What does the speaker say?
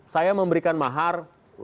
saya memberikan mahar